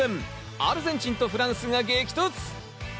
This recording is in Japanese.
アルゼンチンとフランスが激突。